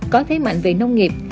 có thế mạnh về nông nghiệp